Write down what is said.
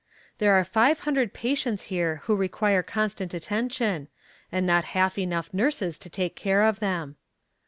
There are five hundred patients here who require constant attention, and not half enough nurses to take care of them.